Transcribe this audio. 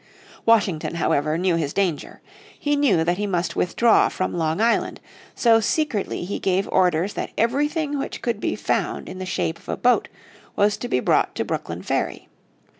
Washington, however, knew his danger. He knew that he must withdraw from Long Island. So secretly he gave orders that everything which could be found in the shape of a boat was to be brought to Brooklyn Ferry.